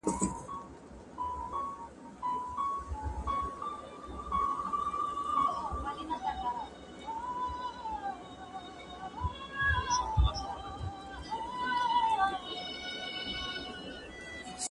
زه به چپنه پاک کړې وي.